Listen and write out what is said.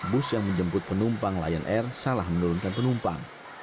bus yang menjemput penumpang lion air salah menurunkan penumpang